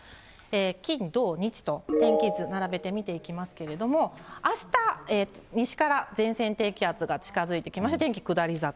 金、土、日と、天気図、並べて見ていきますけれども、あした、西から前線低気圧が近づいてきまして、天気下り坂。